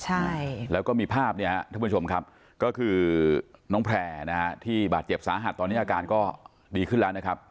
ใช่แล้วก็มีภาพเนี่ยฮะท่านผู้ชมครับก็คือน้องแพร่นะฮะที่บาดเจ็บสาหัสตอนนี้อาการก็ดีขึ้นแล้วนะครับ